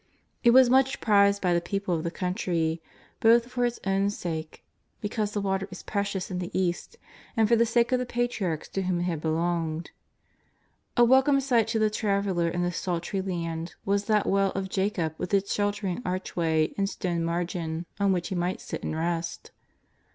It was much prized by the people of the country, both for its own sake, because water is precious in the East, and for the sake of the patriarchs to whom it had belonged. A welcome sight to the traveller in this sultry land was that well of Jacob with its shelter ing archway and stone margin on which he might sit and rest.